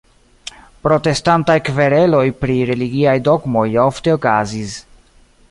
Protestantaj kvereloj pri religiaj dogmoj ofte okazis.